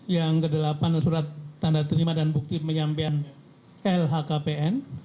yang kedelapan surat tanda terima dan bukti penyampaian lhkpn